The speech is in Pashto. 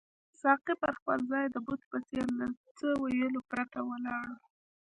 ساقي پر خپل ځای د بت په څېر له څه ویلو پرته ولاړ وو.